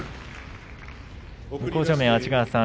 向正面の安治川さん